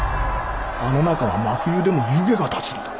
あの中は真冬でも湯気が立つのだ。